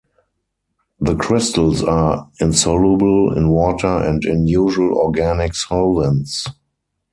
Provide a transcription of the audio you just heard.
The crystals are insoluble in water and in usual organic solvents.